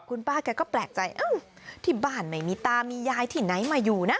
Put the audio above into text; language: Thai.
คุณป้าแกก็แปลกใจที่บ้านไม่มีตามียายที่ไหนมาอยู่นะ